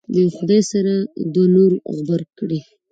د یو خدای سره یې دوه نور غبرګ کړي.